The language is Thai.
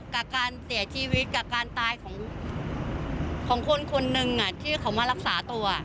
กับการเสียชีวิตกับการตายของคนคนหนึ่งที่เขามารักษาตัว